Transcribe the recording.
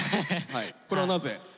これはなぜ？